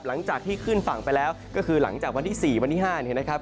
หลังจากที่ขึ้นฝั่งไปแล้วก็คือหลังจากวันที่๔วันที่๕เนี่ยนะครับ